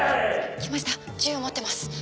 ・来ました銃を持ってます。